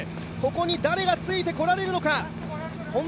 ここに誰がついてこられるか。